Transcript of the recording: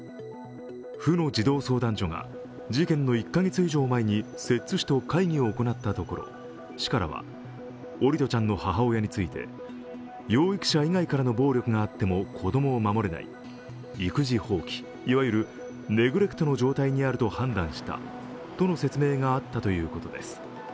府の児童相談所が事件の１カ月以上前に摂津市と会議を行ったところ市からは桜利斗ちゃんの母親について養育者以外からの暴力があっても子供を守れない、育児放棄、いわゆるネグレクトの状態にあると判断したとの説明があったということです。